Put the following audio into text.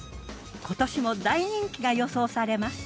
今年も大人気が予想されます。